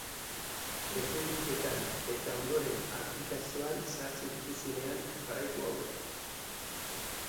Errubriketan eta, ondoren, aplikazioan sartzen dituzuenean jarraitu hauek.